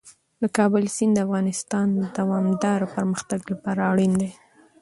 د کابل سیند د افغانستان د دوامداره پرمختګ لپاره اړین دی.